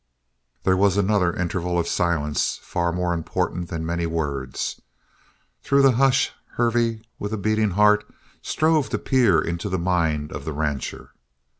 There was another interval of silence, far more important than many words. Through the hush Hervey, with a beating heart, strove to peer into the mind of the rancher.